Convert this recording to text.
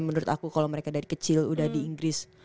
menurut aku kalau mereka dari kecil udah di inggris